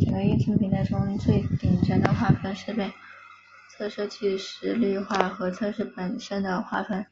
整个验证平台中最顶层的划分是被测设计实例化和测试本身的划分。